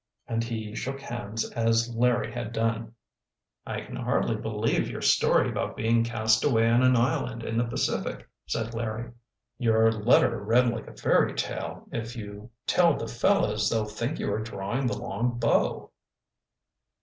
And he shook hands as Larry had done. "I can hardly believe your story about being cast away on an island in the Pacific," said Larry. "Your letter read like a fairy tale. If you tell the fellows they'll think you are drawing the long bow."